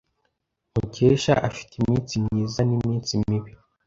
Mukesha afite iminsi myiza niminsi mibi.